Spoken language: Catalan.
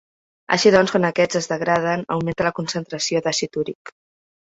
Així doncs quan aquests es degraden augmenta la concentració d'àcid úric.